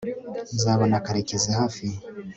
nzabona karekezi hafi